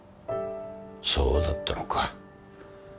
そうだったのか。